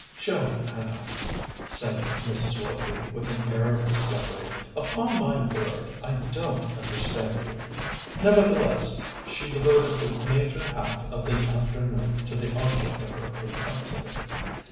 "Joanna," said Mrs. Willoughby, with an air of discovery, "upon my word, I don't understand you." Nevertheless, she devoted the major half of the afternoon to the object of her perplexity.